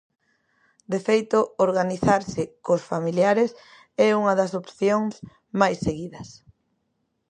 De feito, organizarse cos familiares é unha das opcións máis seguidas.